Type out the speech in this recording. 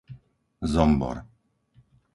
Zombor